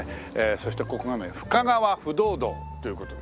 そしてここがね深川不動堂という事で。